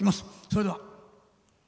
それでは。